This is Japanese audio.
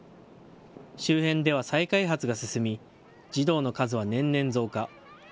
周辺では再開発が進み児童の数は年々増加。